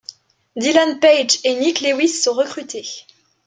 Dylan Page et Nick Lewis sont recrutés.